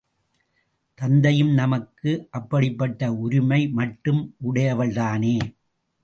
தத்தையும் நமக்கு அப்படிப்பட்ட உரிமை மட்டும் உடையவள்தானே?